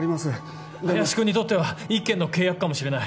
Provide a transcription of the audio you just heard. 林君にとっては１件の契約かもしれない。